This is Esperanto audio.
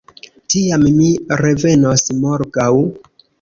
Tiam mi revenos morgaŭ.